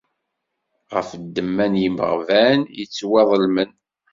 Ɣef ddemma n yimeɣban yettwaḍelmen.